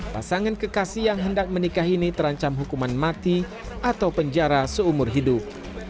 pasangan kekasih yang hendak menikah ini terancam hukuman mati atau penjara seumur hidup